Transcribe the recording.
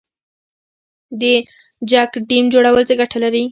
د چک ډیم جوړول څه ګټه لري؟